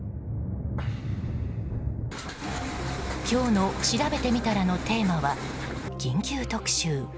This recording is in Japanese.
今日のしらべてみたらのテーマは緊急特集